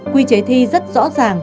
quy chế thi rất rõ ràng